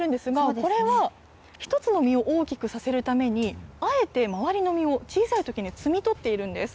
これは、１つの実を大きくさせるために、あえて周りの実を小さいときに摘み取っているんです。